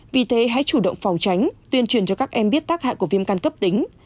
vì thế hãy chủ động phòng tránh tuyên truyền cho các em biết tác hại của viêm căn cấp tính